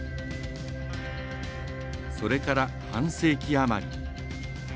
それから半世紀余り。